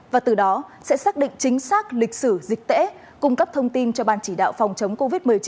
và từ đó sẽ xác định chính xác lịch sử dịch tễ cung cấp thông tin cho ban chỉ đạo phòng chống covid một mươi chín